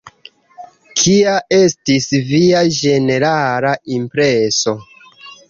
Kia estis via ĝenerala impreso?